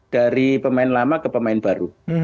dari pemain lama ke pemain baru